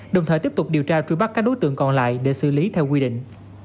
đồng thời tiếp tục điều tra truy bắt các đối tượng còn lại để xử lý theo quy định